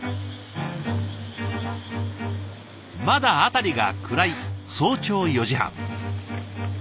まだ辺りが暗い早朝４時半。